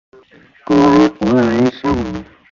公安无人伤亡。